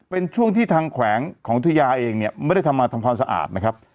เป็นช่วงที่ทางแขวงของอุทยาเองเนี่ยไม่ได้ทำมาทำความสะอาดนะครับ